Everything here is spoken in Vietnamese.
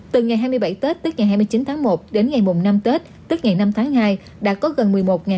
từ ngày hai mươi bảy tết tức ngày hai mươi chín tháng một đến ngày mùng năm tết tức ngày năm tháng hai